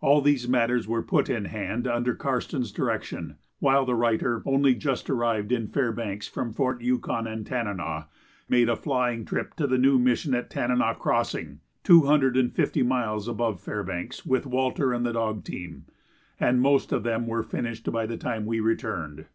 All these matters were put in hand under Karstens's direction, while the writer, only just arrived in Fairbanks from Fort Yukon and Tanana, made a flying trip to the new mission at the Tanana Crossing, two hundred and fifty miles above Fairbanks, with Walter and the dog team; and most of them were finished by the time we returned.